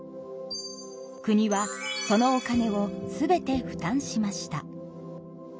国はそのお金を全て負担しました。